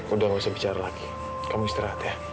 udah gak usah bicara lagi kamu istirahat ya